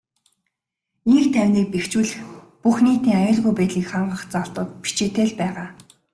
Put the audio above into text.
Энх тайвныг бэхжүүлэх, бүх нийтийн аюулгүй байдлыг хангах заалтууд бичээтэй л байгаа.